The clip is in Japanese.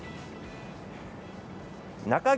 中銀